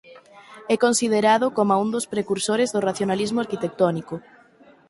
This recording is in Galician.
É considerado coma un dos precursores do racionalismo arquitectónico.